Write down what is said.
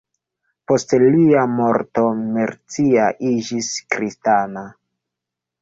Post lia morto Mercia iĝis kristana.